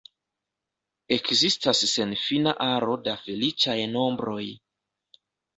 Ekzistas senfina aro da feliĉaj nombroj.